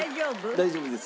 大丈夫です。